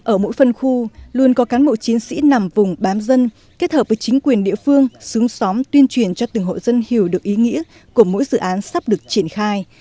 ở mỗi phân khu luôn có cán bộ chiến sĩ nằm vùng bám dân kết hợp với chính quyền địa phương xứng xóm tuyên truyền cho từng hộ dân hiểu được ý nghĩa của mỗi dự án sắp được triển khai